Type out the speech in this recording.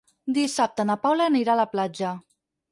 Dissabte na Paula anirà a la platja.